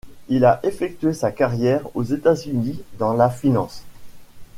Il a effectué sa carrière aux États-Unis dans la finance.